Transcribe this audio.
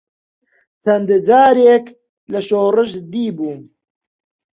چەند جارێک لە شۆڕش دیبووم.